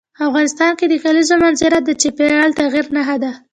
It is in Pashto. افغانستان کې د کلیزو منظره د چاپېریال د تغیر نښه ده.